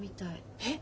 えっ！？